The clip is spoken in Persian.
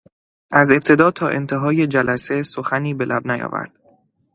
از ابتدا تا انتهای جلسه سخنی به لب نیاورد.